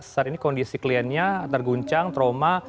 saat ini kondisi kliennya terguncang trauma